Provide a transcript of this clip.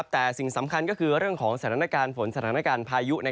แต่สิ่งสำคัญก็คือเรื่องของสถานการณ์ฝนสถานการณ์พายุ